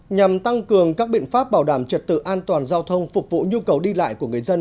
nhằm tăng cường các biện pháp bảo đảm trật tự an toàn giao thông phục vụ nhu cầu đi lại của người dân